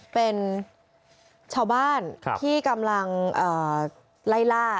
เป็นชาวบ้านที่กำลังไล่ล่า